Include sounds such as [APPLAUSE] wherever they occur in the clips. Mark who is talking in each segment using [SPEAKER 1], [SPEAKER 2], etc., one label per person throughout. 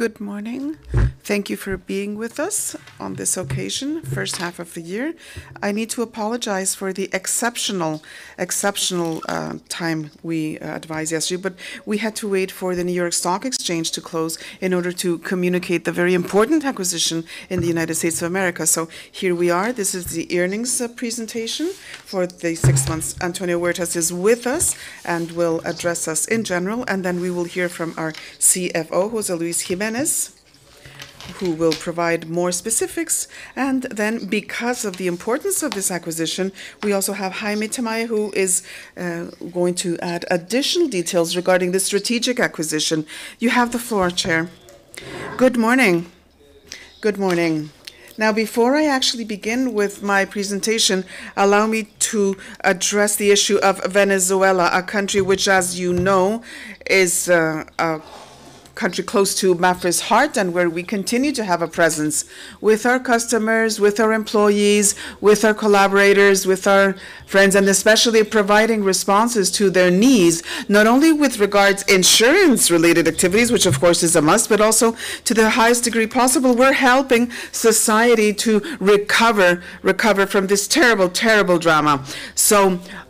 [SPEAKER 1] Good morning. Thank you for being with us on this occasion, first half of the year. I need to apologize for the exceptional time we advised yesterday, but we had to wait for the New York Stock Exchange to close in order to communicate the very important acquisition in the U.S.A. Here we are. This is the earnings presentation for the six months. Antonio Huertas is with us and will address us in general, then we will hear from our CFO, José Luis Jiménez, who will provide more specifics. Because of the importance of this acquisition, we also have Jaime Tamayo, who is going to add additional details regarding the strategic acquisition. You have the floor, Chair.
[SPEAKER 2] Good morning. Before I actually begin with my presentation, allow me to address the issue of Venezuela, a country which, as you know, is a country close to Mapfre's heart and where we continue to have a presence with our customers, with our employees, with our collaborators, with our friends, and especially providing responses to their needs, not only with regards insurance-related activities, which of course is a must, but also to the highest degree possible, we're helping society to recover from this terrible drama.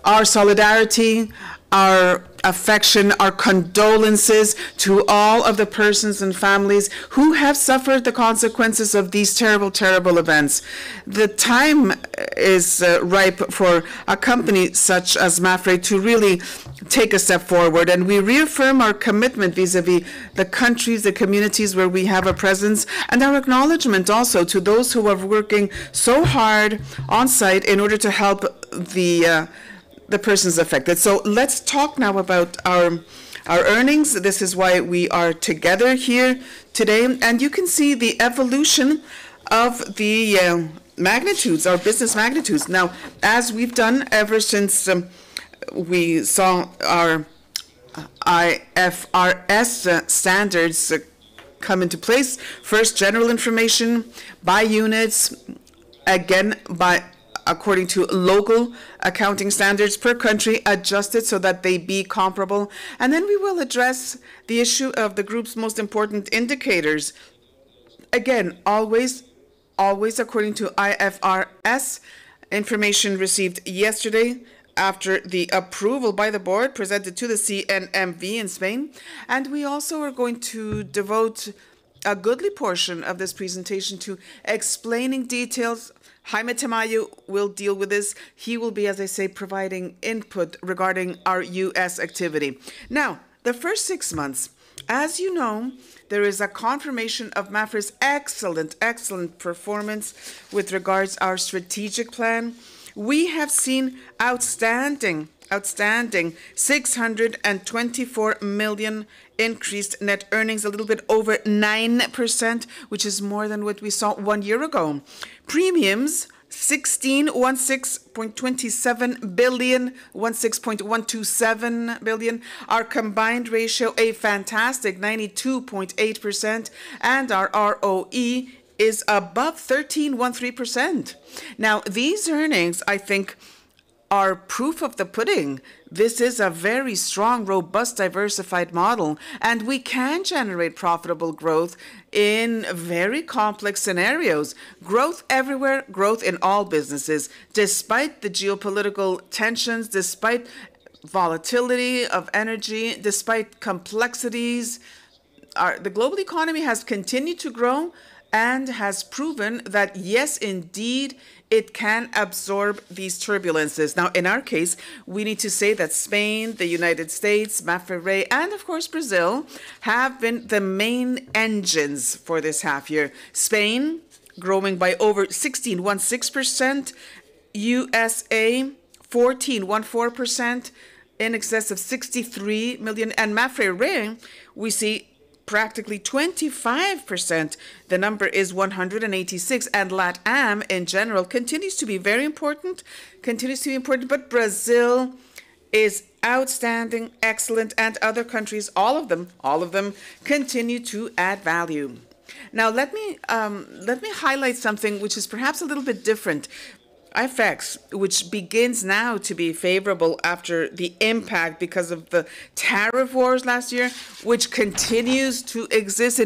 [SPEAKER 2] Our solidarity, our affection, our condolences to all of the persons and families who have suffered the consequences of these terrible events. The time is ripe for a company such as Mapfre to really take a step forward, and we reaffirm our commitment vis-à-vis the countries, the communities where we have a presence, and our acknowledgement also to those who are working so hard on site in order to help the persons affected. Let's talk now about our earnings. This is why we are together here today. You can see the evolution of our business magnitudes. As we've done ever since we saw our IFRS standards come into place, first general information by units, again, according to local accounting standards per country, adjusted so that they be comparable. We will address the issue of the group's most important indicators. Again, always according to IFRS, information received yesterday after the approval by the Board presented to the CNMV in Spain. We also are going to devote a goodly portion of this presentation to explaining details. Jaime Tamayo will deal with this. He will be, as I say, providing input regarding our U.S. activity. The first six months. As you know, there is a confirmation of Mapfre's excellent performance with regards our strategic plan. We have seen outstanding 624 million increased net earnings, a little bit over 9%, which is more than what we saw one year ago. Premiums, 16.127 billion. Our combined ratio, a fantastic 92.8%, and our ROE is above 13.13%. These earnings, I think, are proof of the pudding. This is a very strong, robust, diversified model, and we can generate profitable growth in very complex scenarios. Growth everywhere, growth in all businesses. Despite the geopolitical tensions, despite volatility of energy, despite complexities, the global economy has continued to grow and has proven that, yes, indeed, it can absorb these turbulences. In our case, we need to say that Spain, the U.S., Mapfre, and of course, Brazil, have been the main engines for this half-year. Spain growing by over 16.16%. U.S.A., 14.14% in excess of 63 million. Mapfre Re, we see practically 25%. The number is 186, LatAm, in general, continues to be very important. Brazil is outstanding, excellent, other countries, all of them, continue to add value. Let me highlight something which is perhaps a little bit different. FX, which begins now to be favorable after the impact because of the tariff wars last year, which continues to exist.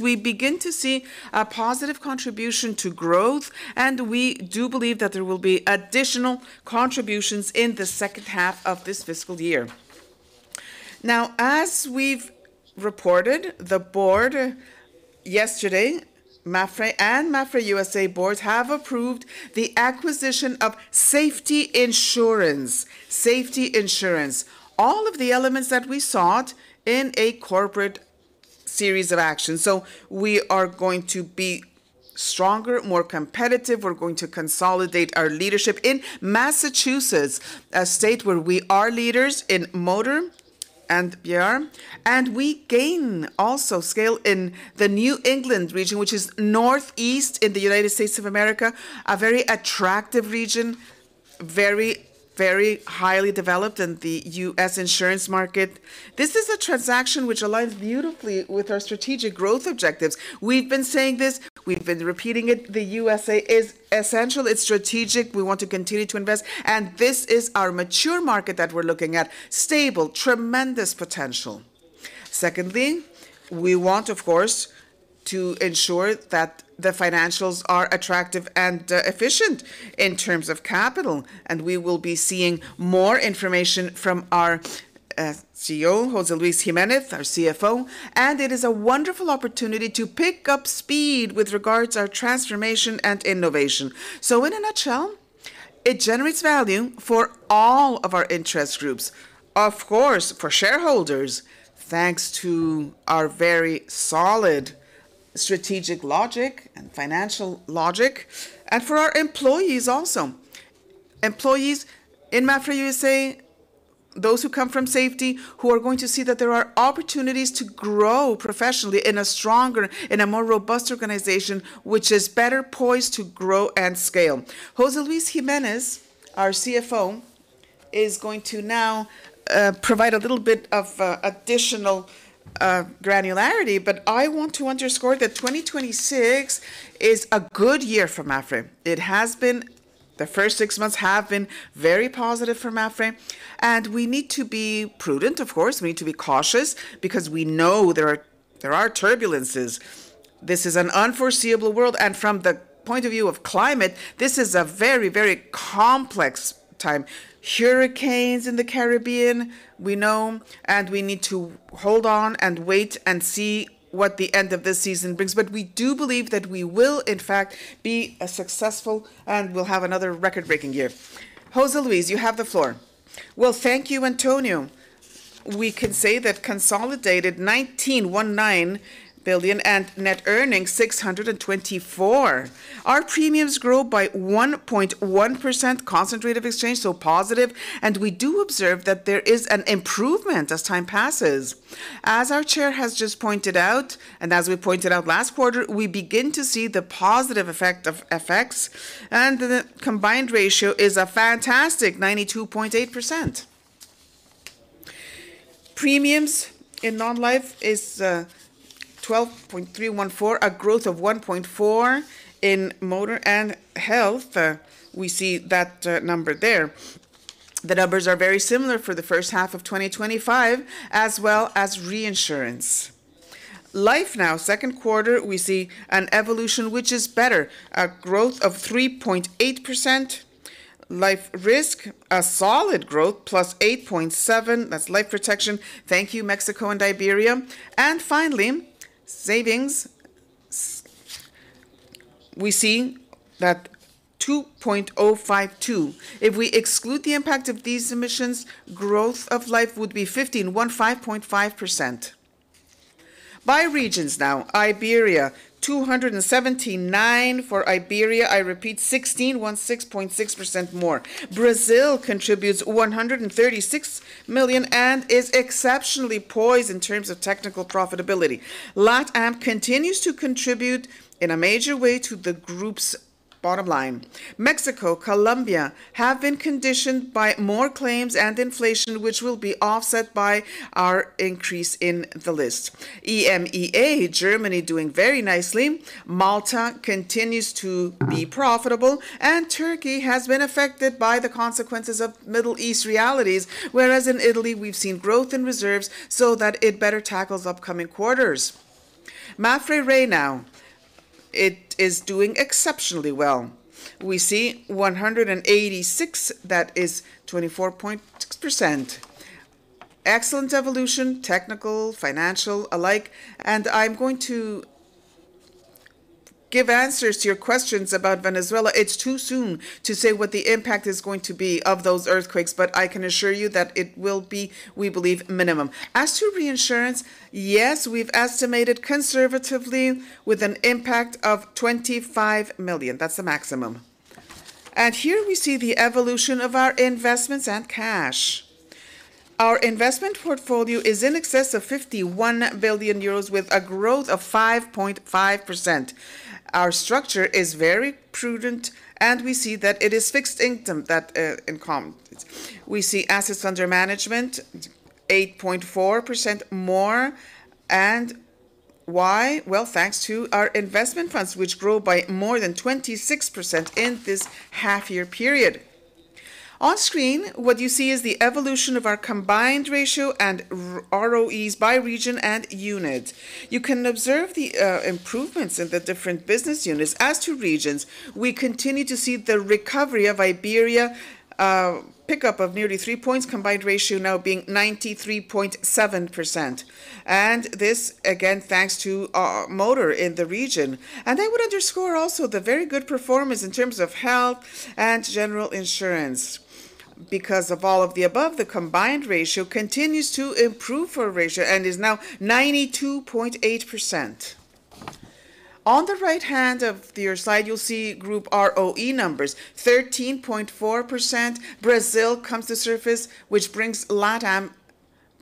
[SPEAKER 2] We begin to see a positive contribution to growth, we do believe that there will be additional contributions in the second half of this fiscal year. As we've reported, the Board yesterday, Mapfre and Mapfre U.S.A. Boards have approved the acquisition of Safety Insurance, all of the elements that we sought in a corporate series of actions. We are going to be stronger, more competitive. We're going to consolidate our leadership in Massachusetts, a state where we are leaders in motor and. [INAUDIBLE] We gain also scale in the New England region, which is Northeast in the U.S.A., a very attractive region, very highly developed in the U.S. insurance market. This is a transaction which aligns beautifully with our strategic growth objectives. We've been saying this, we've been repeating it. The U.S.A. is essential, it's strategic. We want to continue to invest, this is our mature market that we're looking at. Stable, tremendous potential. Secondly, we want, of course, to ensure that the financials are attractive and efficient in terms of capital. We will be seeing more information from our CEO, José Luis Jiménez, our CFO, it is a wonderful opportunity to pick up speed with regards our transformation and innovation. In a nutshell, it generates value for all of our interest groups, of course, for shareholders, thanks to our very solid strategic logic and financial logic, for our employees also. Employees in Mapfre U.S.A., those who come from Safety, who are going to see that there are opportunities to grow professionally in a stronger, in a more robust organization, which is better poised to grow and scale. José Luis Jiménez, our CFO, is going to now provide a little bit of additional granularity, I want to underscore that 2026 is a good year for Mapfre. The first six months have been very positive for Mapfre, we need to be prudent, of course. We need to be cautious because we know there are turbulences. This is an unforeseeable world, from the point of view of climate, this is a very complex time. Hurricanes in the Caribbean, we know, we need to hold on and wait and see what the end of this season brings. We do believe that we will in fact be successful and we'll have another record-breaking year. José Luis, you have the floor.
[SPEAKER 3] Thank you, Antonio. We can say that consolidated 19.19 billion and net earnings 624. Our premiums grow by 1.1% constant rate of exchange, so positive, we do observe that there is an improvement as time passes. As our Chair has just pointed out, as we pointed out last quarter, we begin to see the positive effect of FX, the combined ratio is a fantastic 92.8%. Premiums in non-life is 12.314, a growth of 1.4% in motor and health. We see that number there. The numbers are very similar for the first half of 2025, as well as reinsurance. Life now, second quarter, we see an evolution which is better, a growth of 3.8%. Life risk, a solid growth +8.7%. That's life protection. Thank you, Mexico and Iberia. Finally, savings, we see that 2.052. If we exclude the impact of these emissions, growth of life would be 15.5%. By regions now, Iberia, 279. For Iberia, I repeat, 16.6% more. Brazil contributes 136 million and is exceptionally poised in terms of technical profitability. LatAm continues to contribute in a major way to the group's bottom line. Mexico, Colombia have been conditioned by more claims and inflation, which will be offset by our increase in the list. EMEA, Germany doing very nicely. Malta continues to be profitable. Turkey has been affected by the consequences of Middle East realities, whereas in Italy, we've seen growth in reserves so that it better tackles upcoming quarters. Mapfre Re now. It is doing exceptionally well. We see 186, that is 24.6%. Excellent evolution, technical, financial alike, I'm going to give answers to your questions about Venezuela. It's too soon to say what the impact is going to be of those earthquakes, I can assure you that it will be, we believe, minimum. As to reinsurance, yes, we've estimated conservatively with an impact of 25 million. That's the maximum. Here we see the evolution of our investments and cash. Our investment portfolio is in excess of 51 billion euros with a growth of 5.5%. Our structure is very prudent, we see that it is fixed income. We see assets under management, 8.4% more. Why? Well, thanks to our investment funds, which grow by more than 26% in this half-year period. On screen, what you see is the evolution of our combined ratio and ROEs by region and unit. You can observe the improvements in the different business units. As to regions, we continue to see the recovery of Iberia, pickup of nearly 3 points, combined ratio now being 93.7%. This, again, thanks to our motor in the region. I would underscore also the very good performance in terms of health and general insurance. Because of all of the above, the combined ratio continues to improve for ratio and is now 92.8%. On the right hand of your slide, you'll see group ROE numbers, 13.4%. Brazil comes to surface, which brings LatAm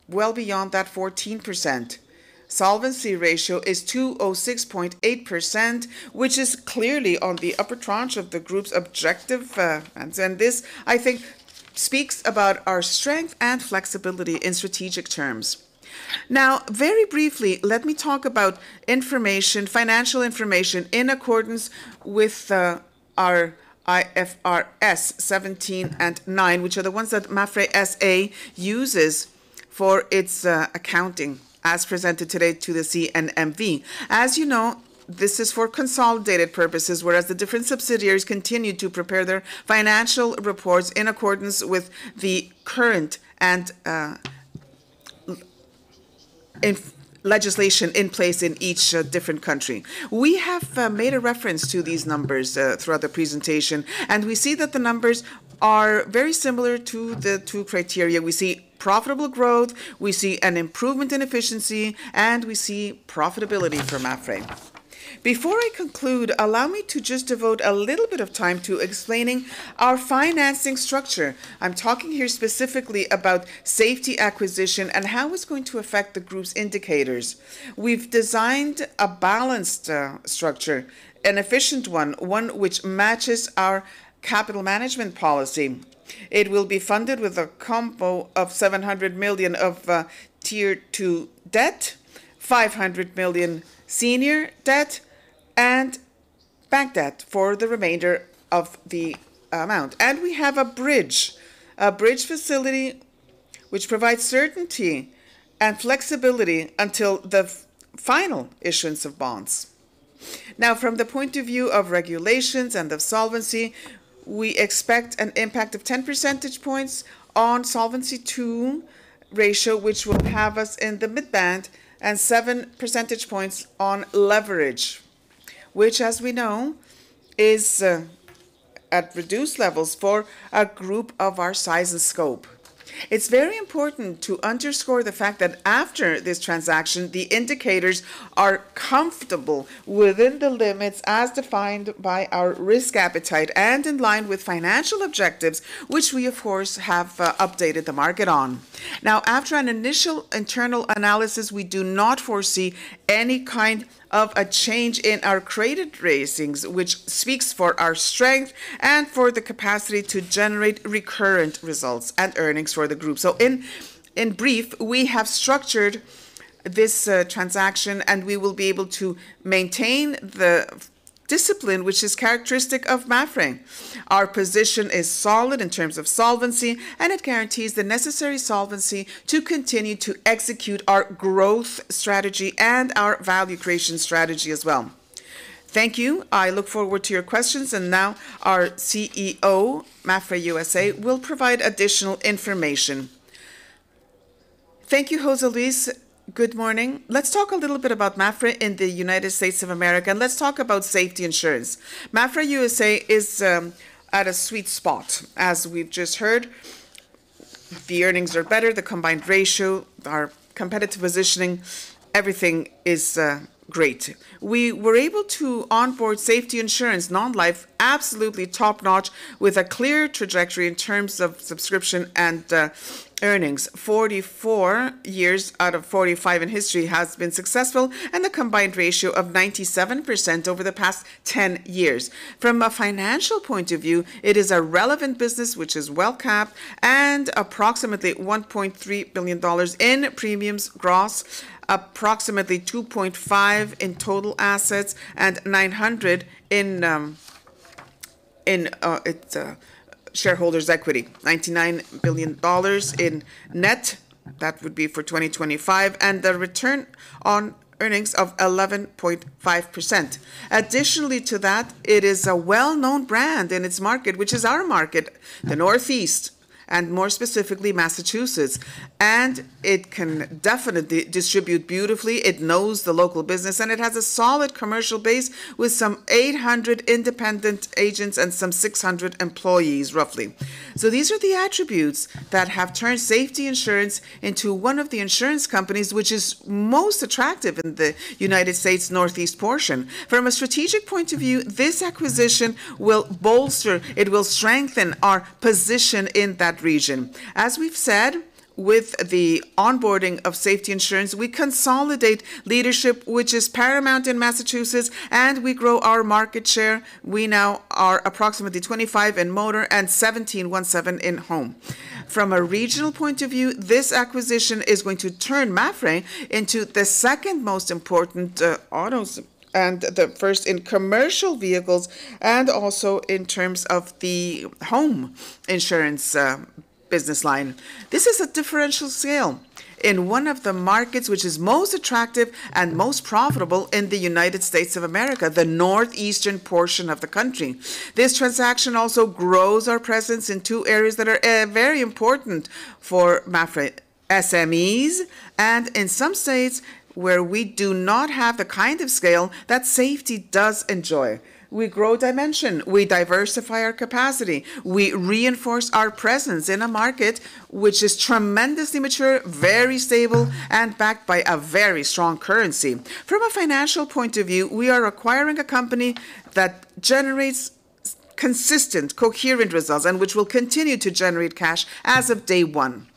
[SPEAKER 3] well beyond that 14%. Solvency ratio is 206.8%, which is clearly on the upper tranche of the group's objective. This, I think, speaks about our strength and flexibility in strategic terms. Now, very briefly, let me talk about financial information in accordance with IFRS 17 and 9, which are the ones that Mapfre, S.A. uses for its accounting as presented today to the CNMV. As you know, this is for consolidated purposes, whereas the different subsidiaries continue to prepare their financial reports in accordance with the current and legislation in place in each different country. We have made a reference to these numbers throughout the presentation. We see that the numbers are very similar to the two criteria. We see profitable growth, we see an improvement in efficiency, and we see profitability for Mapfre. Before I conclude, allow me to just devote a little bit of time to explaining our financing structure. I'm talking here specifically about Safety acquisition and how it's going to affect the group's indicators. We've designed a balanced structure, an efficient one which matches our capital management policy. It will be funded with a combo of 700 million of Tier Two debt, 500 million senior debt, and bank debt for the remainder of the amount. We have a bridge facility which provides certainty and flexibility until the final issuance of bonds. Now, from the point of view of regulations and of solvency, we expect an impact of 10 percentage points on Solvency II ratio, which will have us in the mid band, and 7 percentage points on leverage, which as we know, is at reduced levels for a group of our size and scope. It's very important to underscore the fact that after this transaction, the indicators are comfortable within the limits as defined by our risk appetite and in line with financial objectives, which we, of course, have updated the market on. Now, after an initial internal analysis, we do not foresee any kind of a change in our credit ratings, which speaks for our strength and for the capacity to generate recurrent results and earnings for the group. In brief, we have structured this transaction, and we will be able to maintain the discipline which is characteristic of Mapfre. Our position is solid in terms of solvency, and it guarantees the necessary solvency to continue to execute our growth strategy and our value creation strategy as well. Thank you. I look forward to your questions. Now our CEO, Mapfre U.S.A., will provide additional information.
[SPEAKER 4] Thank you, José Luis. Good morning. Let's talk a little bit about Mapfre in the United States of America. Let's talk about Safety Insurance. Mapfre U.S.A. is at a sweet spot. As we've just heard, the earnings are better, the combined ratio, our competitive positioning, everything is great. We were able to onboard Safety Insurance, non-life, absolutely top-notch, with a clear trajectory in terms of subscription and earnings. 44 years out of 45 in history has been successful, and a combined ratio of 97% over the past 10 years. From a financial point of view, it is a relevant business, which is well-capped, and approximately $1.3 billion in premiums gross, approximately $2.5 in total assets, and $900 in its shareholders' equity, [$99 billion] in net. That would be for 2025, and the return on earnings of 11.5%. Additionally to that, it is a well-known brand in its market, which is our market, the Northeast, and more specifically Massachusetts. It can definitely distribute beautifully. It knows the local business, and it has a solid commercial base with some 800 independent agents and some 600 employees, roughly. These are the attributes that have turned Safety Insurance into one of the insurance companies which is most attractive in the United States northeast portion. From a strategic point of view, this acquisition will bolster, it will strengthen our position in that region. As we've said, with the onboarding of Safety Insurance, we consolidate leadership, which is paramount in Massachusetts, and we grow our market share. We now are approximately 25% in motor and 17.17% in home. From a regional point of view, this acquisition is going to turn Mapfre into the second most important autos, and the first in commercial vehicles, and also in terms of the home insurance business line. This is a differential scale in one of the markets which is most attractive and most profitable in the U.S.A., the northeastern portion of the country. This transaction also grows our presence in two areas that are very important for Mapfre SMEs, and in some states where we do not have the kind of scale that Safety does enjoy. We grow dimension. We diversify our capacity. We reinforce our presence in a market which is tremendously mature, very stable, and backed by a very strong currency. From a financial point of view, we are acquiring a company that generates consistent [INAUDIBLE] results and will continue to generate cash as of day one.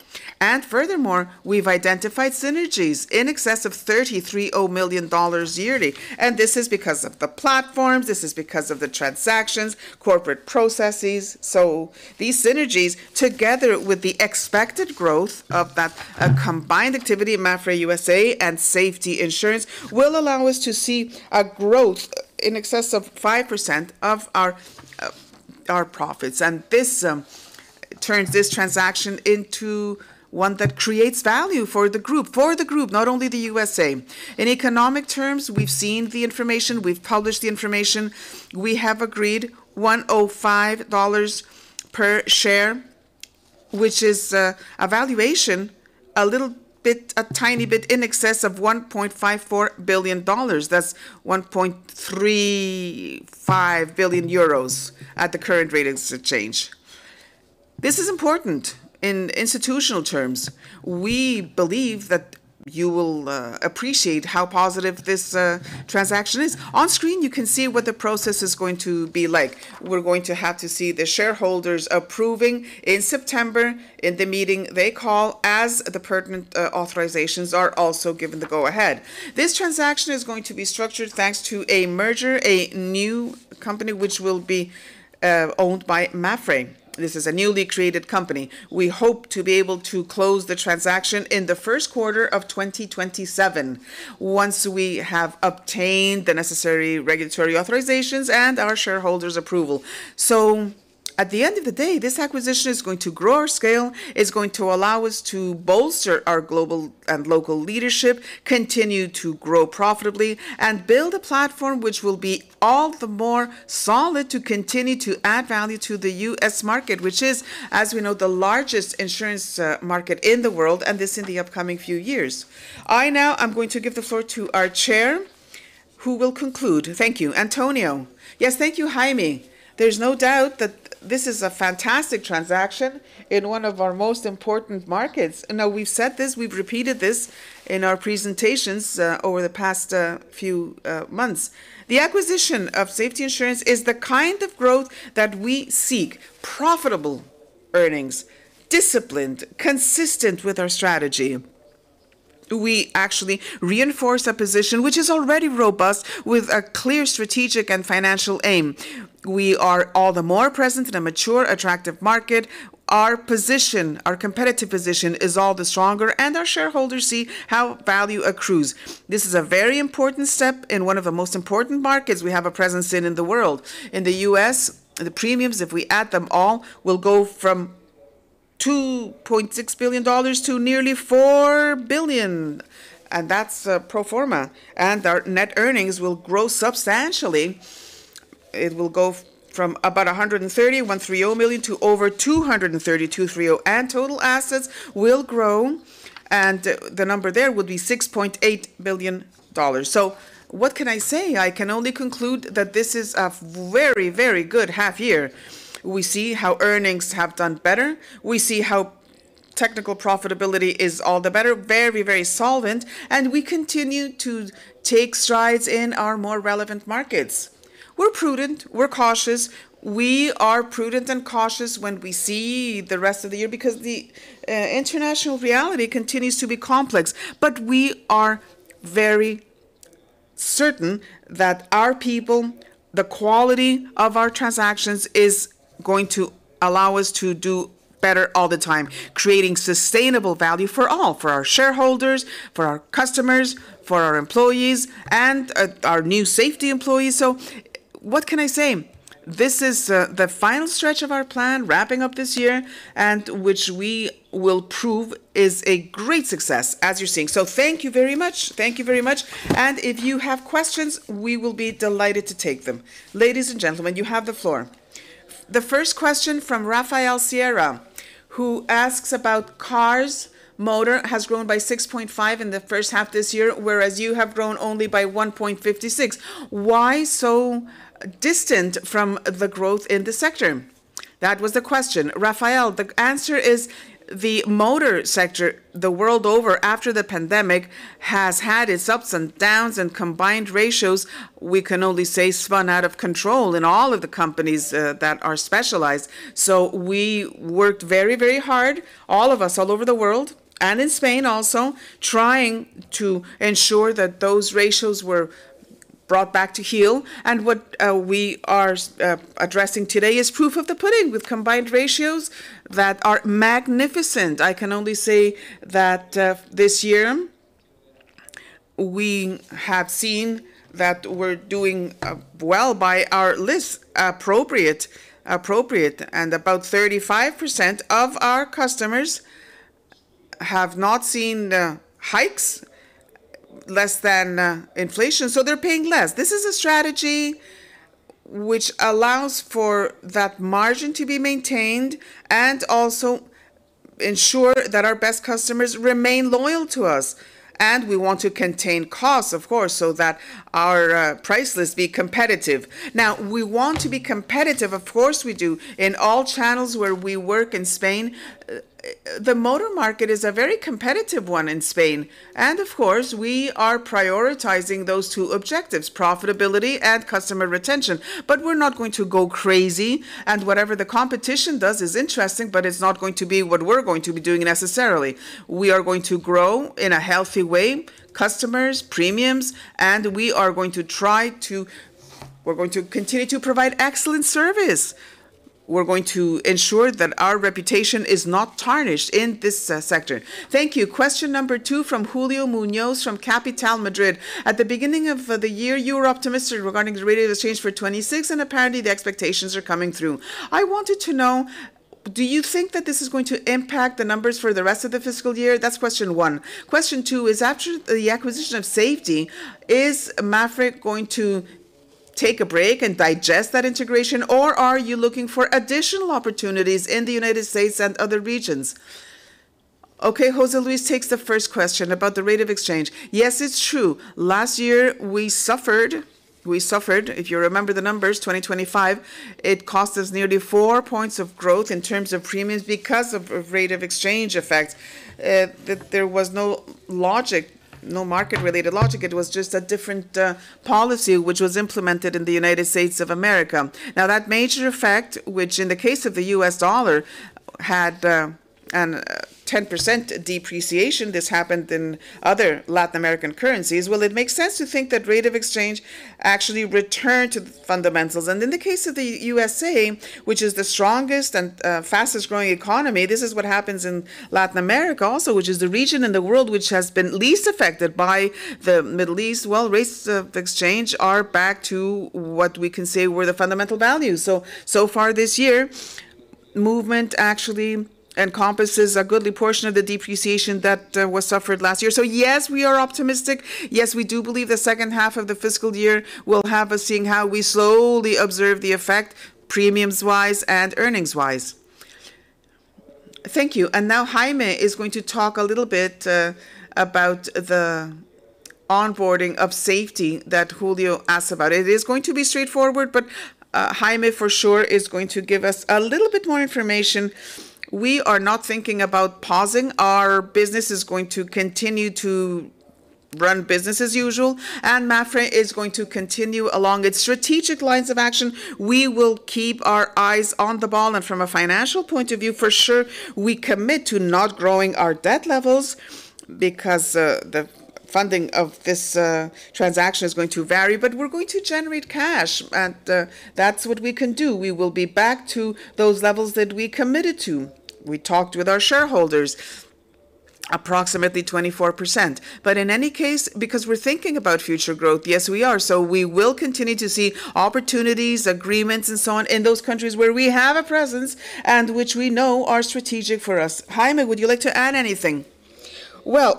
[SPEAKER 4] Furthermore, we've identified synergies in excess of $33 million yearly, and this is because of the platforms, this is because of the transactions, corporate processes. So these synergies, together with the expected growth of that combined activity of Mapfre U.S.A. and Safety Insurance, will allow us to see a growth in excess of 5% of our profits. And this turns this transaction into one that creates value for the group. For the group, not only the U.S.A. In economic terms, we've seen the information, we've published the information. We have agreed $105 per share, which is a valuation a tiny bit in excess of $1.54 billion. That's 1.35 billion euros at the current rate exchange. This is important in institutional terms. We believe that you will appreciate how positive this transaction is. On screen, you can see what the process is going to be like. We're going to have to see the shareholders approving in September, in the meeting they call, as the pertinent authorizations are also given the go-ahead. This transaction is going to be structured thanks to a merger, a new company which will be owned by Mapfre. This is a newly created company. We hope to be able to close the transaction in the first quarter of 2027, once we have obtained the necessary regulatory authorizations and our shareholders approval. At the end of the day, this acquisition is going to grow our scale, is going to allow us to bolster our global and local leadership, continue to grow profitably, and build a platform which will be all the more solid to continue to add value to the U.S. market, which is, as we know, the largest insurance market in the world, and this in the upcoming few years. I now am going to give the floor to our Chair, who will conclude. Thank you, Antonio.
[SPEAKER 2] Yes. Thank you, Jaime. We've said this, we've repeated this in our presentations over the past few months. The acquisition of Safety Insurance is the kind of growth that we seek. Profitable earnings, disciplined, consistent with our strategy. We actually reinforce a position which is already robust with a clear strategic and financial aim. We are all the more present in a mature, attractive market. Our competitive position is all the stronger, and our shareholders see how value accrues. This is a very important step in one of the most important markets we have a presence in in the world. In the U.S., the premiums, if we add them all, will go from $2.6 billion to nearly $4 billion, and that's pro forma. Our net earnings will grow substantially. It will go from about $130 million to over $230 million. Total assets will grow, and the number there would be $6.8 billion. What can I say? I can only conclude that this is a very, very good half year. We see how earnings have done better. We see how technical profitability is all the better. Very, very solvent, and we continue to take strides in our more relevant markets. We're prudent, we're cautious. We are prudent and cautious when we see the rest of the year, because the international reality continues to be complex. We are very certain that our people, the quality of our transactions, is going to allow us to do better all the time, creating sustainable value for all. For our shareholders, for our customers, for our employees, and our new Safety Insurance employees. What can I say? This is the final stretch of our plan, wrapping up this year, and which we will prove is a great success, as you're seeing. Thank you very much.
[SPEAKER 1] Thank you very much. If you have questions, we will be delighted to take them. Ladies and gentlemen, you have the floor. The first question from Rafael Sierra, who asks about cars. Motor has grown by 6.5% in the first half this year, whereas you have grown only by 1.56%. Why so distant from the growth in the sector? That was the question.
[SPEAKER 2] Rafael, the answer is the motor sector, the world over, after the pandemic, has had its ups and downs, and combined ratios, we can only say spun out of control in all of the companies that are specialized. We worked very, very hard, all of us, all over the world, and in Spain also, trying to ensure that those ratios were brought back to heel. What we are addressing today is proof of the pudding. With combined ratios that are magnificent. I can only say that this year we have seen that we're doing well by our lists appropriate. About 35% of our customers have not seen hikes less than inflation, so they're paying less. This is a strategy which allows for that margin to be maintained and also ensure that our best customers remain loyal to us. We want to contain costs, of course, so that our price lists be competitive. Now, we want to be competitive, of course we do, in all channels where we work in Spain. The motor market is a very competitive one in Spain. Of course, we are prioritizing those two objectives, profitability and customer retention. We're not going to go crazy. Whatever the competition does is interesting, but it's not going to be what we're going to be doing necessarily. We are going to grow in a healthy way, customers, premiums, and we are going to continue to provide excellent service. We're going to ensure that our reputation is not tarnished in this sector.
[SPEAKER 1] Thank you. Question number two from Julio Muñoz from Capital Madrid. At the beginning of the year, you were optimistic regarding the rate of exchange for 2026, and apparently, the expectations are coming through. I wanted to know. Do you think that this is going to impact the numbers for the rest of the fiscal year? That's question one. Question two is, after the acquisition of Safety, is Mapfre going to take a break and digest that integration, or are you looking for additional opportunities in the United States and other regions?
[SPEAKER 2] José Luis takes the first question about the rate of exchange.
[SPEAKER 3] Yes, it's true. Last year, we suffered, if you remember the numbers, 2025, it cost us nearly 4 points of growth in terms of premiums because of rate of exchange effects. There was no market-related logic. It was just a different policy which was implemented in the United States of America. That major effect, which in the case of the U.S. dollar, had a 10% depreciation. This happened in other Latin American currencies. It makes sense to think that rate of exchange actually returned to the fundamentals. In the case of the USA, which is the strongest and fastest-growing economy, this is what happens in Latin America also, which is the region in the world which has been least affected by the Middle East. Rates of exchange are back to what we can say were the fundamental values. So far this year, movement actually encompasses a goodly portion of the depreciation that was suffered last year. Yes, we are optimistic. Yes, we do believe the second half of the fiscal year will have us seeing how we slowly observe the effect premiums-wise and earnings-wise.
[SPEAKER 2] Thank you. Now Jaime is going to talk a little bit about the onboarding of Safety that Julio asked about. It is going to be straightforward, but Jaime for sure is going to give us a little bit more information. We are not thinking about pausing. Our business is going to continue to run business as usual, and Mapfre is going to continue along its strategic lines of action. We will keep our eyes on the ball. From a financial point of view, for sure, we commit to not growing our debt levels because the funding of this transaction is going to vary, but we're going to generate cash, and that's what we can do. We will be back to those levels that we committed to. We talked with our shareholders, approximately 24%. In any case, because we're thinking about future growth, yes, we are. We will continue to see opportunities, agreements, and so on in those countries where we have a presence and which we know are strategic for us. Jaime, would you like to add anything?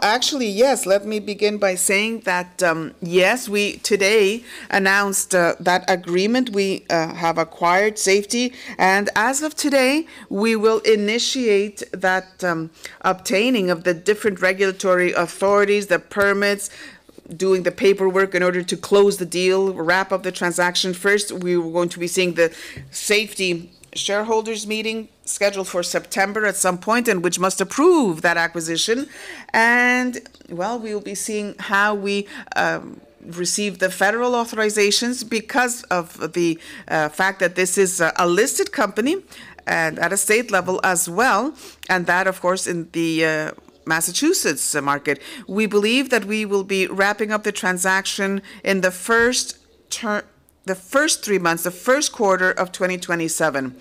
[SPEAKER 4] Actually, yes. Let me begin by saying that, yes, we today announced that agreement. We have acquired Safety. As of today, we will initiate that obtaining of the different regulatory authorities, the permits, doing the paperwork in order to close the deal, wrap up the transaction. First, we are going to be seeing the Safety shareholders meeting scheduled for September at some point, and which must approve that acquisition. Well, we will be seeing how we receive the federal authorizations because this is a listed company at a state level as well, and that, of course, in the Massachusetts market. We believe that we will be wrapping up the transaction in the first three months, the first quarter of 2027.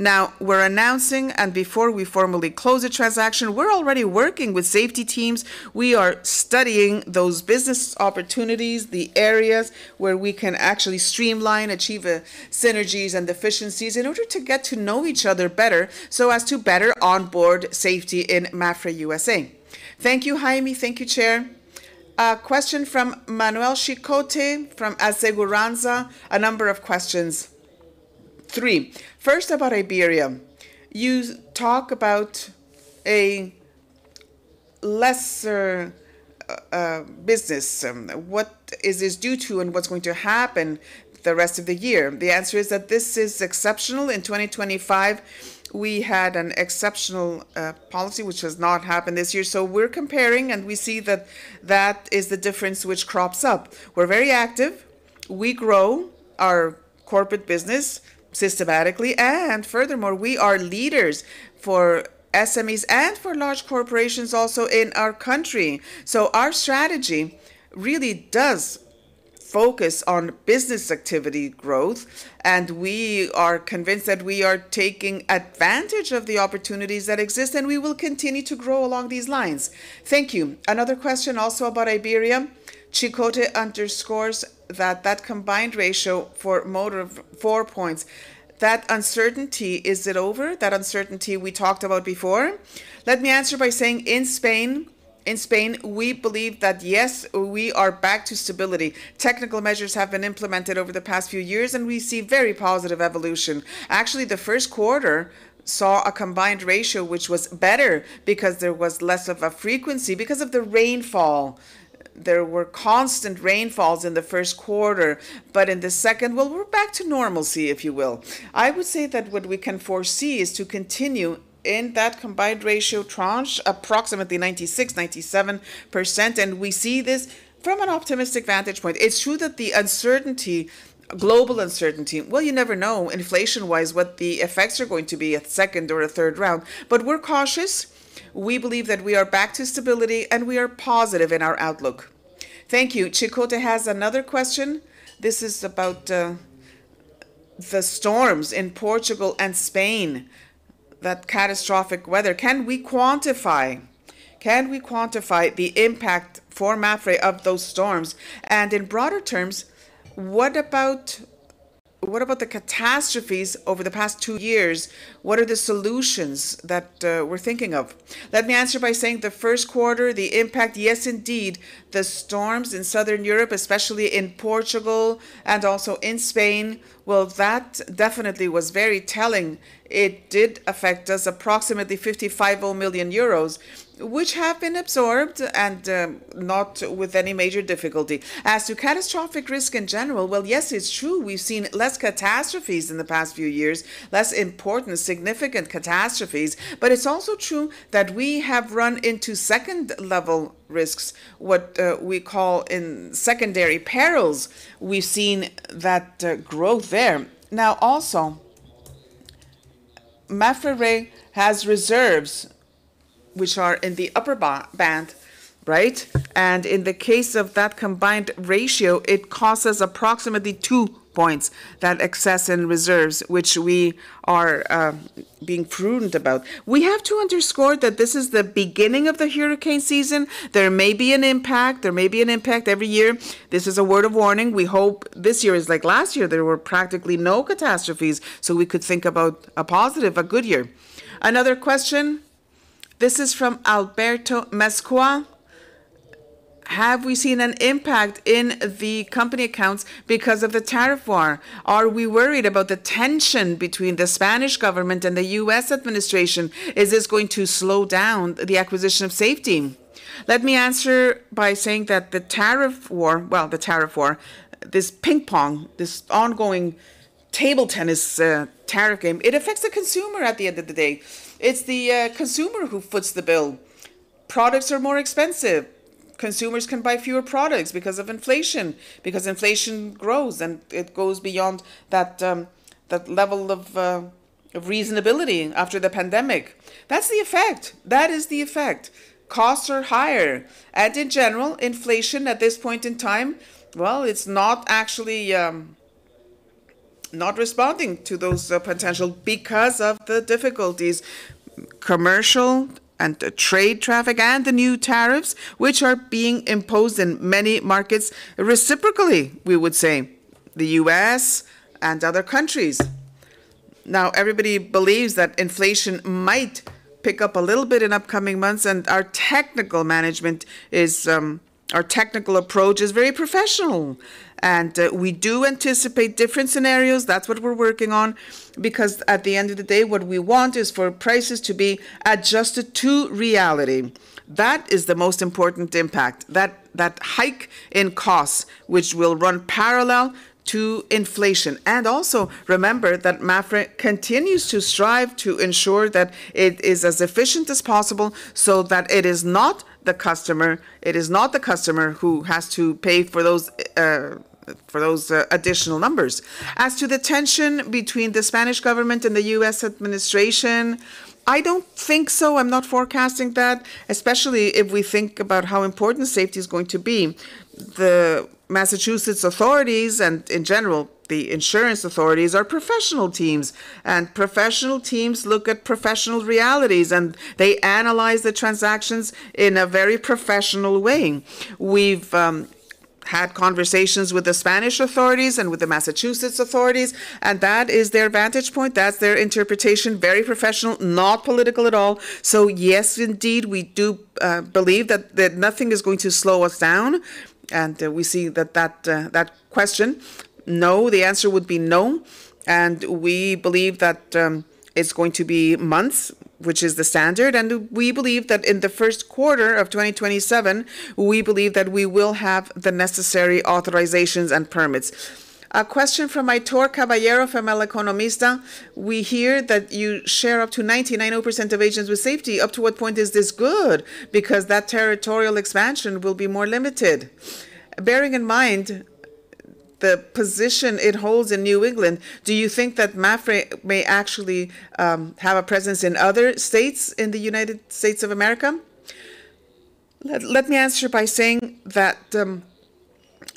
[SPEAKER 4] Now, we're announcing, and before we formally close the transaction, we're already working with Safety teams. We are studying those business opportunities, the areas where we can actually streamline, achieve synergies and efficiencies in order to get to know each other better, so as to better onboard Safety in Mapfre U.S.A.
[SPEAKER 1] Thank you, Jaime. Thank you, Chair. A question from Manuel Chicote from Aseguranza, a number of questions. Three. First, about Iberia. You talk about a lesser business. What is this due to, and what's going to happen the rest of the year?
[SPEAKER 2] The answer is that this is exceptional. In 2025, we had an exceptional policy, which has not happened this year. We're comparing, and we see that that is the difference which crops up. We're very active. We grow our corporate business systematically, and furthermore, we are leaders for SMEs and for large corporations also in our country. Our strategy really does focus on business activity growth, and we are convinced that we are taking advantage of the opportunities that exist, and we will continue to grow along these lines.
[SPEAKER 1] Thank you. Another question also about Iberia. Chicote underscores that combined ratio for motor of 4 points. That uncertainty, is it over? That uncertainty we talked about before.
[SPEAKER 2] Let me answer by saying in Spain, we believe that, yes, we are back to stability. Technical measures have been implemented over the past few years, and we see very positive evolution. Actually, the first quarter saw a combined ratio which was better because there was less of a frequency because of the rainfall. There were constant rainfalls in the first quarter. In the second, well, we're back to normalcy, if you will. I would say that what we can foresee is to continue in that combined ratio tranche, approximately 96%, 97%, and we see this from an optimistic vantage point. It's true that the global uncertainty, well, you never know inflation-wise what the effects are going to be at second or a third round. We're cautious. We believe that we are back to stability, and we are positive in our outlook.
[SPEAKER 1] Thank you. Chicote has another question. This is about the storms in Portugal and Spain, that catastrophic weather. Can we quantify the impact for Mapfre of those storms? In broader terms, what about the catastrophes over the past two years? What are the solutions that we're thinking of?
[SPEAKER 2] Let me answer by saying the first quarter, the impact, yes, indeed, the storms in Southern Europe, especially in Portugal and also in Spain, well, that definitely was very telling. It did affect us approximately 550 million euros, which have been absorbed and not with any major difficulty. As to catastrophic risk in general, well, yes, it's true, we've seen less catastrophes in the past few years, less important, significant catastrophes, but it's also true that we have run into second-level risks, what we call secondary perils. We've seen that growth there. Now, also, Mapfre has reserves, which are in the upper band. Right? In the case of that combined ratio, it costs us approximately 2 points, that excess in reserves, which we are being prudent about. We have to underscore that this is the beginning of the hurricane season. There may be an impact. There may be an impact every year. This is a word of warning. We hope this year is like last year. There were practically no catastrophes, so we could think about a positive, a good year.
[SPEAKER 1] Another question. This is from Alberto Mascuá. Have we seen an impact in the company accounts because of the tariff war? Are we worried about the tension between the Spanish government and the U.S. administration? Is this going to slow down the acquisition of Safety?
[SPEAKER 2] Let me answer by saying that the tariff war, the tariff war, this ping-pong, this ongoing table tennis tariff game, it affects the consumer at the end of the day. It's the consumer who foots the bill. Products are more expensive. Consumers can buy fewer products because of inflation, because inflation grows, and it goes beyond that level of reasonability after the pandemic. That's the effect. That is the effect. Costs are higher. In general, inflation at this point in time, it's not responding to those potential because of the difficulties, commercial and trade traffic and the new tariffs, which are being imposed in many markets reciprocally, we would say, the U.S. and other countries. Everybody believes that inflation might pick up a little bit in upcoming months, and our technical approach is very professional, and we do anticipate different scenarios. That's what we're working on because at the end of the day, what we want is for prices to be adjusted to reality. That is the most important impact, that hike in costs, which will run parallel to inflation. Also remember that Mapfre continues to strive to ensure that it is as efficient as possible so that it is not the customer who has to pay for those additional numbers. As to the tension between the Spanish government and the U.S. administration, I don't think so. I'm not forecasting that, especially if we think about how important Safety is going to be. The Massachusetts authorities and in general, the insurance authorities are professional teams, and professional teams look at professional realities, and they analyze the transactions in a very professional way. We've had conversations with the Spanish authorities and with the Massachusetts authorities, that is their vantage point. That's their interpretation. Very professional, not political at all. Yes, indeed, we do believe that nothing is going to slow us down, and we see that question. The answer would be no, and we believe that it's going to be months, which is the standard, and we believe that in the first quarter of 2027, we believe that we will have the necessary authorizations and permits.
[SPEAKER 1] A question from Aitor Caballero from El Economista: We hear that you share up to 99.0% of agents with Safety. Up to what point is this good? Because that territorial expansion will be more limited. Bearing in mind the position it holds in New England, do you think that Mapfre may actually have a presence in other states in the United States of America?
[SPEAKER 4] Let me answer by saying that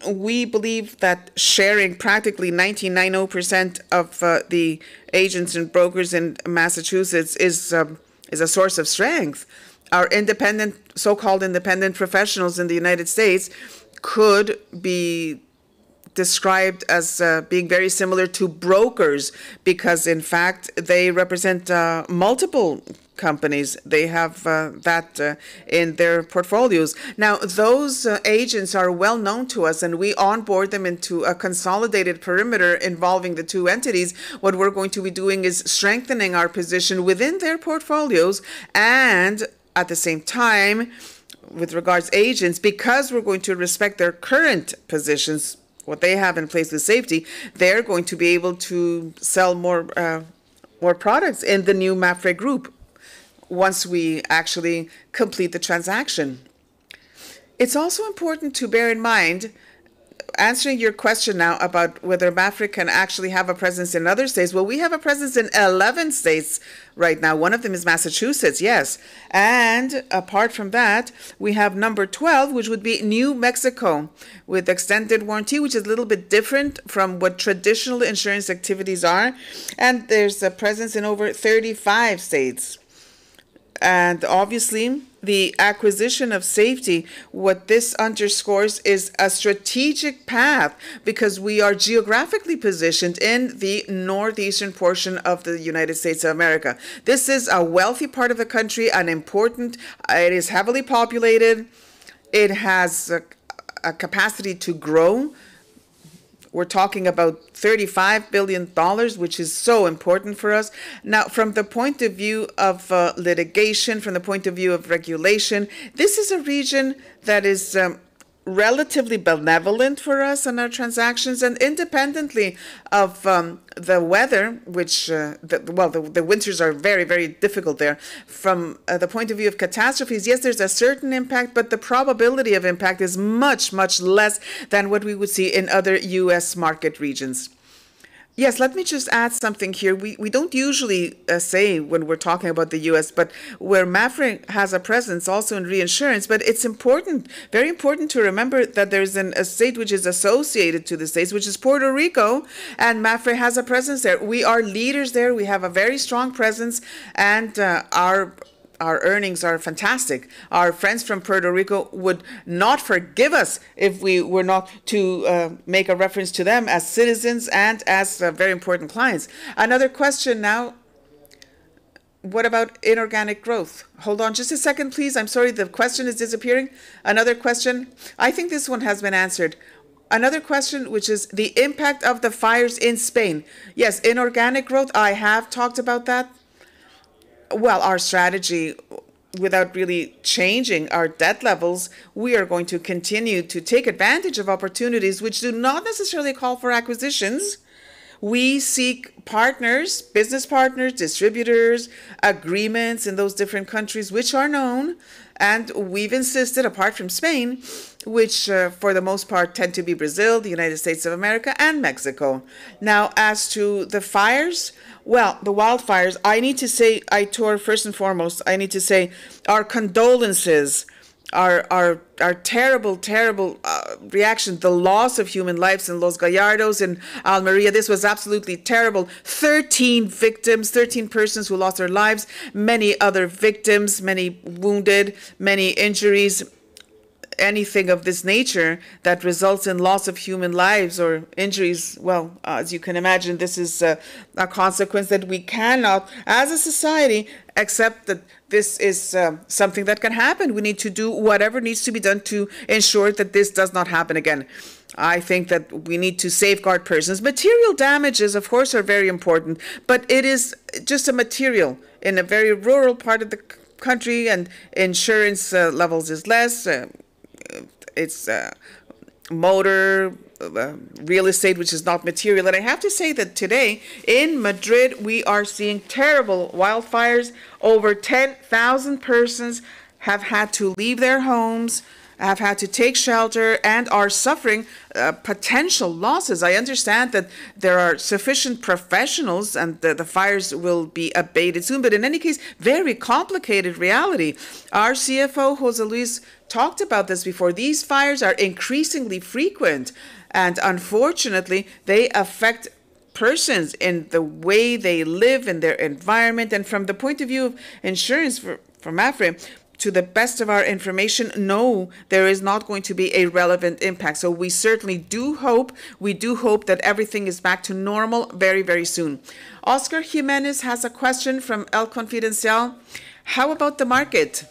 [SPEAKER 4] we believe that sharing practically 99.0% of the agents and brokers in Massachusetts is a source of strength. Our so-called independent professionals in the U.S. could be described as being very similar to brokers because in fact, they represent multiple companies. They have that in their portfolios. Those agents are well-known to us, and we onboard them into a consolidated perimeter involving the two entities. What we're going to be doing is strengthening our position within their portfolios and at the same time, with regards agents, because we're going to respect their current positions, what they have in place with Safety, they're going to be able to sell more products in the new Mapfre Group once we actually complete the transaction. It's also important to bear in mind, answering your question now about whether Mapfre can actually have a presence in other states. We have a presence in 11 states right now. One of them is Massachusetts, yes. Apart from that, we have number 12, which would be New Mexico with extended warranty, which is a little bit different from what traditional insurance activities are, and there's a presence in over 35 states. Obviously, the acquisition of Safety, what this underscores is a strategic path because we are geographically positioned in the northeastern portion of the U.S. This is a wealthy part of the country, an important. It is heavily populated. It has a capacity to grow. We're talking about $35 billion, which is so important for us. From the point of view of litigation, from the point of view of regulation, this is a region that is relatively benevolent for us in our transactions. Independently of the weather, the winters are very, very difficult there. From the point of view of catastrophes, yes, there's a certain impact, but the probability of impact is much, much less than what we would see in other U.S. market regions.
[SPEAKER 2] Yes, let me just add something here. We don't usually say when we're talking about the U.S., but where Mapfre has a presence also in reinsurance, but it's very important to remember that there's a state which is associated to the U.S., which is Puerto Rico, and Mapfre has a presence there. We are leaders there. We have a very strong presence, and our earnings are fantastic. Our friends from Puerto Rico would not forgive us if we were not to make a reference to them as citizens and as very important clients.
[SPEAKER 1] Another question now. What about inorganic growth? Hold on just a second, please. I'm sorry. The question is disappearing. Another question. I think this one has been answered. Another question, which is the impact of the fires in Spain.
[SPEAKER 2] Yes, inorganic growth, I have talked about that. Our strategy, without really changing our debt levels, we are going to continue to take advantage of opportunities which do not necessarily call for acquisitions. We seek partners, business partners, distributors, agreements in those different countries which are known. We've insisted, apart from Spain, which for the most part tend to be Brazil, the U.S., and Mexico. As to the fires. The wildfires. First and foremost, I need to say our condolences, our terrible reaction. The loss of human lives in Los Gallardos, in Almería, this was absolutely terrible. 13 victims, 13 persons who lost their lives, many other victims, many wounded, many injuries. Anything of this nature that results in loss of human lives or injuries, well, as you can imagine, this is a consequence that we cannot, as a society, accept that this is something that can happen. We need to do whatever needs to be done to ensure that this does not happen again. I think that we need to safeguard persons. Material damages, of course, are very important, it is just material in a very rural part of the country, and insurance levels is less. It's motor, real estate, which is not material. I have to say that today in Madrid, we are seeing terrible wildfires. Over 10,000 persons have had to leave their homes, have had to take shelter, and are suffering potential losses. I understand that there are sufficient professionals that the fires will be abated soon. In any case, very complicated reality. Our CFO, José Luis, talked about this before. These fires are increasingly frequent, unfortunately, they affect persons in the way they live in their environment. From the point of view of insurance for Mapfre, to the best of our information, no, there is not going to be a relevant impact. We certainly do hope that everything is back to normal very, very soon.
[SPEAKER 1] Óscar Giménez has a question from El Confidencial. How about the market?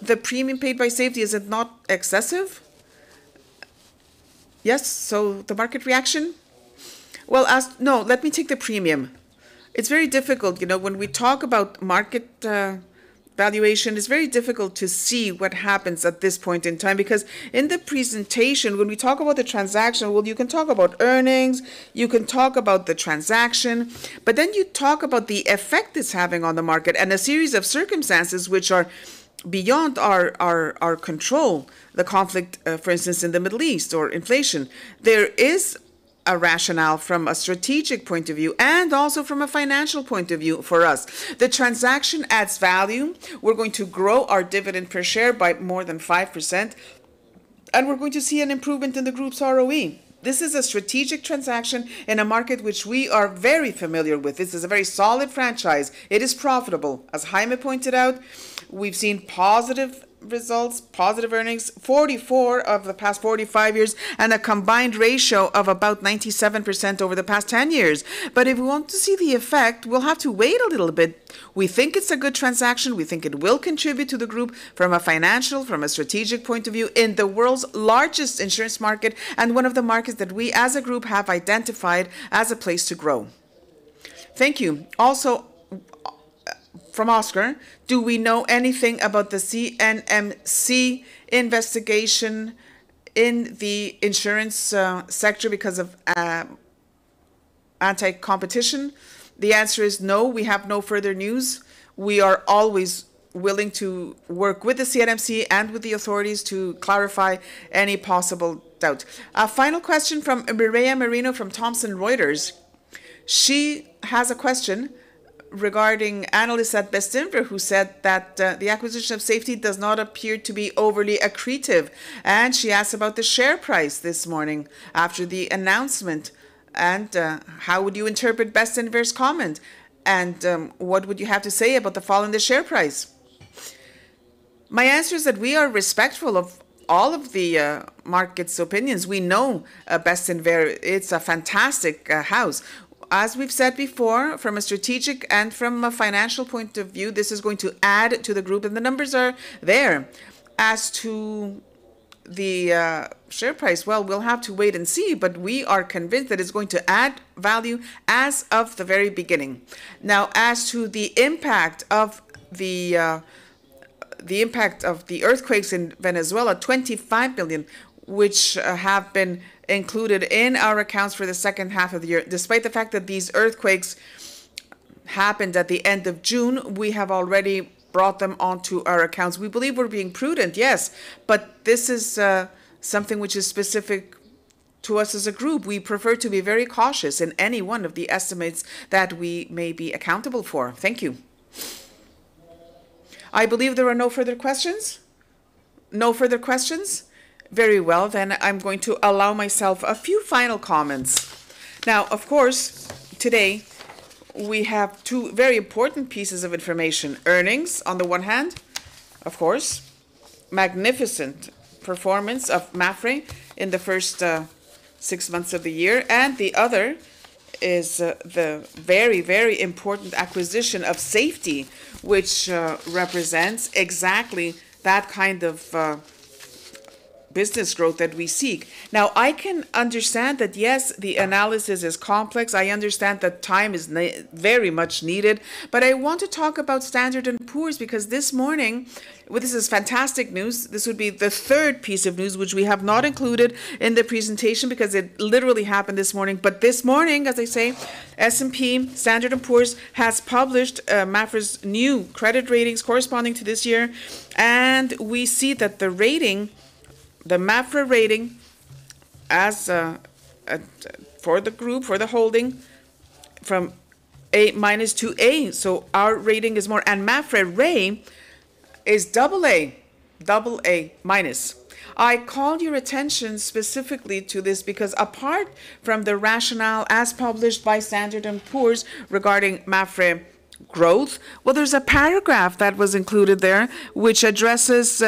[SPEAKER 1] The premium paid by Safety, is it not excessive?
[SPEAKER 2] Yes. The market reaction? No, let me take the premium. It's very difficult. When we talk about market valuation, it's very difficult to see what happens at this point in time. Because in the presentation, when we talk about the transaction, well, you can talk about earnings, you can talk about the transaction. Then you talk about the effect it's having on the market and a series of circumstances which are beyond our control. The conflict, for instance, in the Middle East or inflation. There is a rationale from a strategic point of view and also from a financial point of view for us. The transaction adds value. We're going to grow our dividend per share by more than 5%, we're going to see an improvement in the group's ROE. This is a strategic transaction in a market which we are very familiar with. This is a very solid franchise. It is profitable. As Jaime pointed out, we've seen positive results, positive earnings 44 of the past 45 years, a combined ratio of about 97% over the past 10 years. If we want to see the effect, we'll have to wait a little bit. We think it's a good transaction. We think it will contribute to the group from a financial, from a strategic point of view in the world's largest insurance market and one of the markets that we, as a group, have identified as a place to grow.
[SPEAKER 1] Thank you. Also from Óscar, do we know anything about the CNMC investigation in the insurance sector because of anti-competition?
[SPEAKER 2] The answer is no. We have no further news. We are always willing to work with the CNMC with the authorities to clarify any possible doubt.
[SPEAKER 1] A final question from Mireia Merino from Thomson Reuters. She has a question regarding analysts at Bestinver, who said that the acquisition of Safety does not appear to be overly accretive. She asks about the share price this morning after the announcement. How would you interpret Bestinver's comment, and what would you have to say about the fall in the share price?
[SPEAKER 2] My answer is that we are respectful of all of the market's opinions. We know Bestinver, it's a fantastic house. As we've said before, from a strategic and from a financial point of view, this is going to add to the group, and the numbers are there. As to the share price, well, we'll have to wait and see, but we are convinced that it's going to add value as of the very beginning. As to the impact of the earthquakes in Venezuela, [25 billion] which have been included in our accounts for the second half of the year. Despite the fact that these earthquakes happened at the end of June, we have already brought them onto our accounts. We believe we're being prudent, yes, but this is something which is specific to us as a group. We prefer to be very cautious in any one of the estimates that we may be accountable for. Thank you. I believe there are no further questions. No further questions? Very well, I'm going to allow myself a few final comments. Of course, today, we have two very important pieces of information. Earnings on the one hand, of course. Magnificent performance of Mapfre in the first six months of the year. The other is the very, very important acquisition of Safety, which represents exactly that kind of business growth that we seek. I can understand that, yes, the analysis is complex. I understand that time is very much needed. I want to talk about Standard & Poor's because this morning. Well, this is fantastic news. This would be the third piece of news, which we have not included in the presentation because it literally happened this morning. This morning, as I say, S&P, Standard & Poor's, has published Mapfre's new credit ratings corresponding to this year. We see that the Mapfre rating for the group, for the holding, from A- to A, so our rating is more. Mapfre Re is AA-. I call your attention specifically to this because apart from the rationale as published by Standard & Poor's regarding Mapfre growth, well, there's a paragraph that was included there which addresses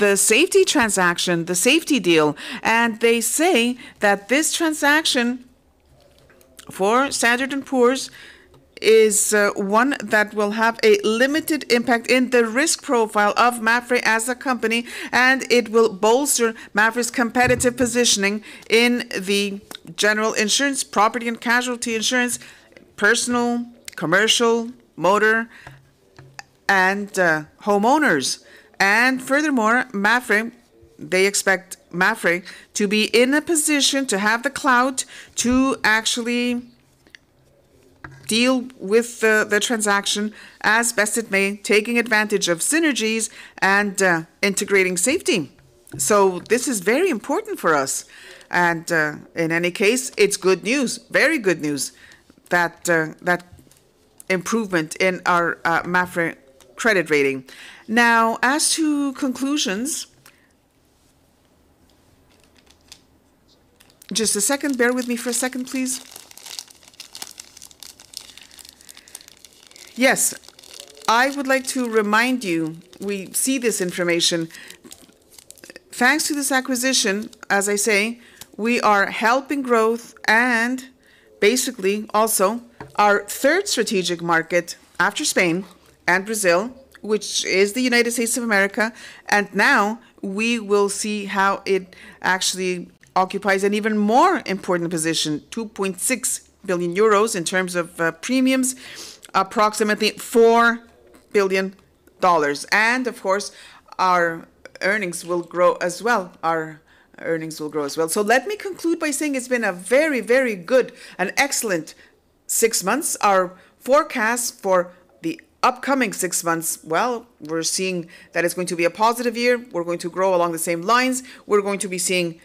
[SPEAKER 2] the Safety transaction, the Safety deal, and they say that this transaction for Standard & Poor's is one that will have a limited impact in the risk profile of Mapfre as a company, and it will bolster Mapfre's competitive positioning in the general insurance, property and casualty insurance, personal, commercial, motor, and homeowners. Furthermore, they expect Mapfre to be in a position to have the clout to actually deal with the transaction as best it may, taking advantage of synergies and integrating Safety. This is very important for us. In any case, it's good news, very good news, that improvement in our Mapfre credit rating. As to conclusions. Just a second. Bear with me for a second, please. Yes. I would like to remind you, we see this information. Thanks to this acquisition, as I say, we are helping growth and basically also our third strategic market after Spain and Brazil, which is the United States of America. Now we will see how it actually occupies an even more important position, 2.6 billion euros in terms of premiums, approximately $4 billion. Our earnings will grow as well. Let me conclude by saying it's been a very, very good and excellent six months. Our forecast for the upcoming six months, well, we're seeing that it's going to be a positive year. We're going to grow along the same lines. We're going to be seeing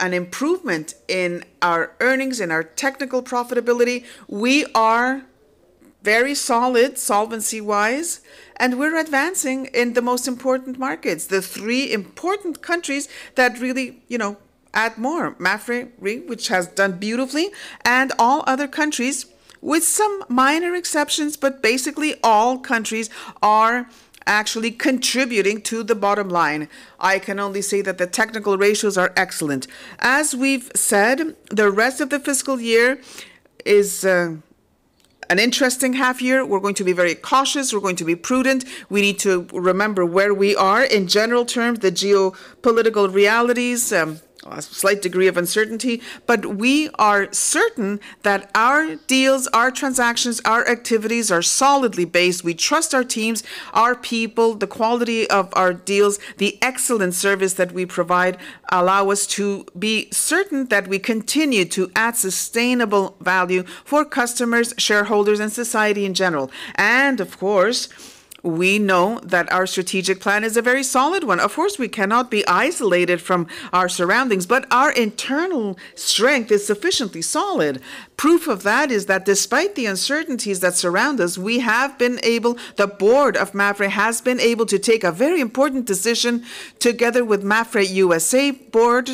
[SPEAKER 2] an improvement in our earnings, in our technical profitability. We are very solid solvency-wise, we're advancing in the most important markets, the three important countries that really add more. Mapfre Re, which has done beautifully, all other countries, with some minor exceptions, basically all countries are actually contributing to the bottom line. I can only say that the technical ratios are excellent. As we've said, the rest of the fiscal year is an interesting half year. We're going to be very cautious. We're going to be prudent. We need to remember where we are in general terms, the geopolitical realities, a slight degree of uncertainty. We are certain that our deals, our transactions, our activities are solidly based. We trust our teams, our people, the quality of our deals, the excellent service that we provide allow us to be certain that we continue to add sustainable value for customers, shareholders, and society in general. Of course, we know that our strategic plan is a very solid one. Of course, we cannot be isolated from our surroundings, our internal strength is sufficiently solid. Proof of that is that despite the uncertainties that surround us, the Board of Mapfre has been able to take a very important decision together with Mapfre U.S.A. Board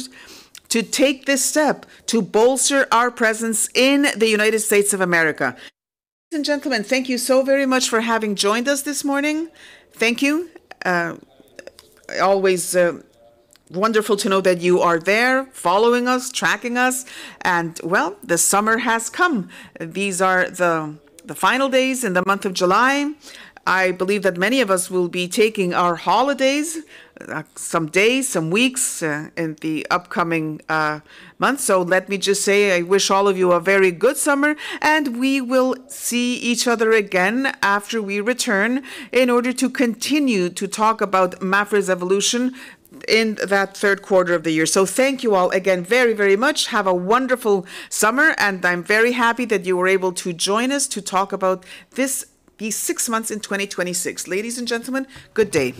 [SPEAKER 2] to take this step to bolster our presence in the United States of America. Ladies and gentlemen, thank you so very much for having joined us this morning. Thank you. Always wonderful to know that you are there following us, tracking us. Well, the summer has come. These are the final days in the month of July. I believe that many of us will be taking our holidays, some days, some weeks in the upcoming months. Let me just say I wish all of you a very good summer, we will see each other again after we return in order to continue to talk about Mapfre's evolution in that third quarter of the year. Thank you all again very, very much. Have a wonderful summer, I'm very happy that you were able to join us to talk about these six months in 2026. Ladies and gentlemen, good day.